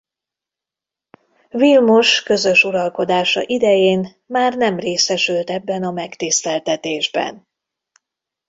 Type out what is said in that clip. Vilmos közös uralkodása idején már nem részesült ebben a megtiszteltetésben.